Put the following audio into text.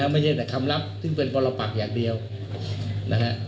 ไม่ใช่แต่คำลับซึ่งเป็นปรปักอย่างเดียวนะฮะ